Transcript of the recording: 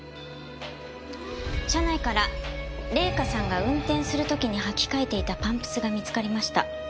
車内から礼香さんが運転する時に履き替えていたパンプスが見つかりました。